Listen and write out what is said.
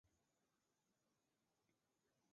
拟长毛锥花为唇形科锥花属下的一个种。